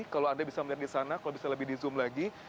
kalau anda bisa melihat di sana kalau bisa lebih di zoom lagi